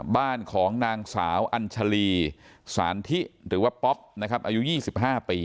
บ้านของนางสาวอัญชาลีสานทิหรือว่าป๊อปนะครับอายุ๒๕ปี